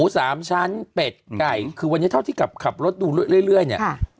สามชั้นเป็ดไก่คือวันนี้เท่าที่กลับขับรถดูเรื่อยเรื่อยเนี่ย